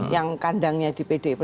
yang kandangnya di pdip